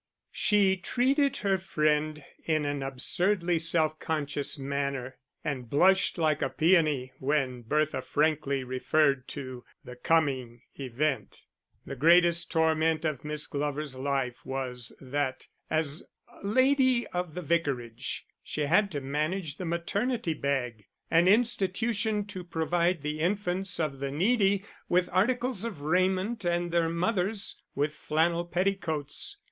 She treated her friend in an absurdly self conscious manner, and blushed like a peony when Bertha frankly referred to the coming event. The greatest torment of Miss Glover's life was that, as lady of the Vicarage, she had to manage the Maternity Bag, an institution to provide the infants of the needy with articles of raiment and their mothers with flannel petticoats.